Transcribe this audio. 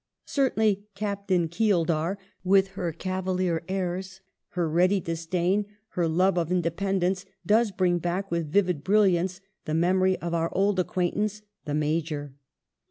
Certainly " Captain Keeldar," with her cavalier airs, her ready disdain, her love of independence, does bring back with vivid brilliance the memory of our old acquaintance, "the Major."